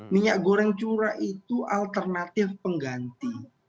minyak goreng curah itu alternatif pengganti